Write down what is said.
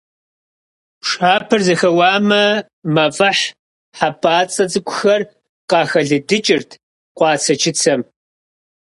Пшапэр зэхэуамэ, мафӀэхь хьэпӀацӀэ цӀыкӀухэр къыхэлыдыкӀырт къуацэ-чыцэм.